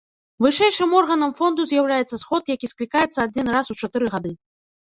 Вышэйшым органам фонду з'яўляецца сход, які склікаецца адзін раз у чатыры гады.